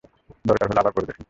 দরকার হলে আবার পড়ে দেখুন।